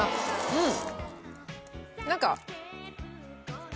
うん。